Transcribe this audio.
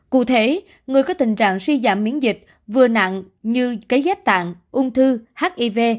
cụ thể người có tình trạng suy giảm miễn dịch vừa nặng như kế dép tạng ung thư hiv